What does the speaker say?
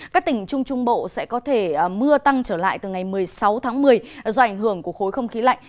các tỉnh trung trung bộ sẽ có thể mưa tăng trở lại từ ngày một mươi sáu tháng một mươi do ảnh hưởng của khối không khí lạnh